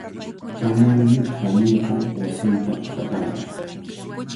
Kananmi paniiqa wasinta qatanqa.